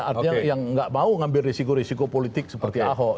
artinya yang nggak mau ngambil risiko risiko politik seperti ahok